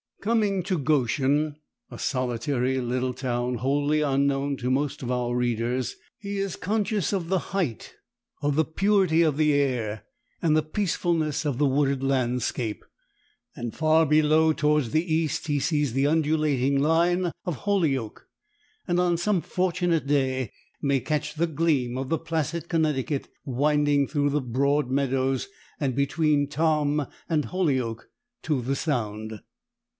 Coming to Goshen, a solitary little town wholly unknown to most of our readers, he is conscious of the height, of the purity of the air, and the peacefulness of the wooded landscape, and far below, towards the east, he sees the undulating line of Holyoke, and on some fortunate day may catch the gleam of the placid Connecticut winding through broad meadows and between Tom and Holyoke to the Sound.